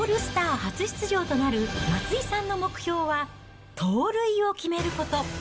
初出場となる松井さんの目標は盗塁を決めること。